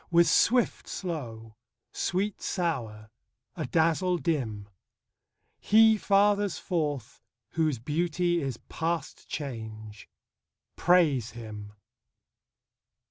With swift, slow; sweet, sour; adazzle, dim; He fathers forth whose beauty is past change: Praise him.